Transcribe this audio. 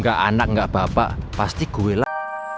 gak anak gak bapak pasti gue lah